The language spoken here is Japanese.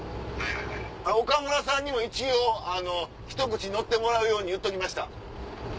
岡村さんにも一応ひと口乗ってもらうよう言っときました。